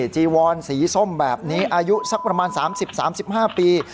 จีวอนสีส้มแบบนี้อายุสักประมาณ๓๐๓๕ปี